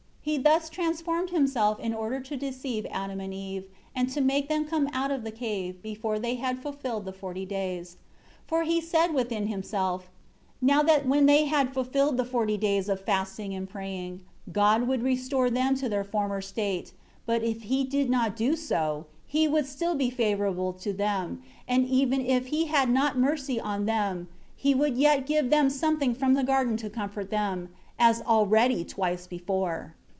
3 He thus transformed himself in order to deceive Adam and Eve, and to make them come out of the cave, before they had fulfilled the forty days. 4 For he said within himself, "Now that when they had fulfilled the forty days' fasting and praying, God would restore them to their former state; but if He did not do so, He would still be favorable to them; and even if He had not mercy on them, would He yet give them something from the garden to comfort them; as already twice before."